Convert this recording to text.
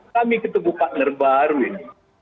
kami ketemu pak nerba harwin